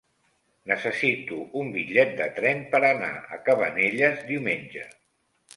Necessito un bitllet de tren per anar a Cabanelles diumenge.